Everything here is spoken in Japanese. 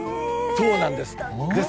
そうなんです。